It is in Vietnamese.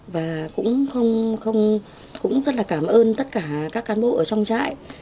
và cũng rất là cảm ơn tất cả các cán bộ ở trong trại